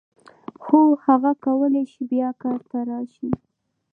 هو هغه کولای شي بیا کار ته راشي.